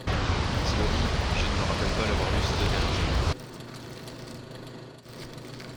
Cela dit, je ne me rappelle pas l’avoir lue ces deux dernières années…